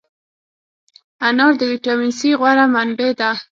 انار د ویټامین C غوره منبع ده.